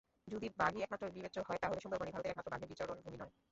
যদি বাঘই একমাত্র বিবেচ্য হয়, তাহলে সুন্দরবনই ভারতের একমাত্র বাঘের বিচরণভূমি নয়।